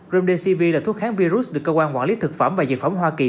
remdesivir là thuốc kháng virus được cơ quan quản lý thực phẩm và dịch phẩm hoa kỳ